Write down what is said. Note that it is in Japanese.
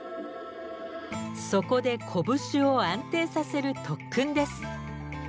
そこで拳を安定させる特訓です。